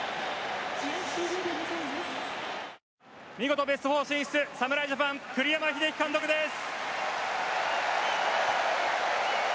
見事、ベスト４進出、侍ジャパン栗山英樹監督です。